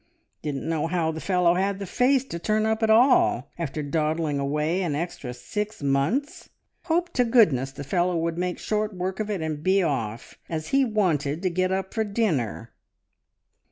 Didn't know how the fellow had the face to turn up at all, after dawdling away an extra six months. Hoped to goodness the fellow would make short work of it and be off, as he wanted to get up for dinner.